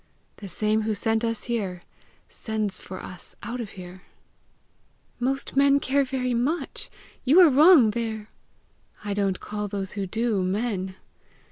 The same who sent us here, sends for us out of here!" "Most men care very much! You are wrong there!" "I don't call those who do, men!